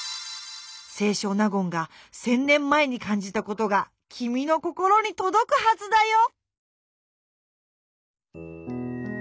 清少納言が１，０００年前にかんじたことがきみの心にとどくはずだよ。